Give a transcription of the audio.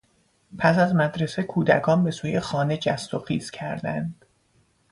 پس از مدرسه کودکان به سوی خانه جست و خیز کردند.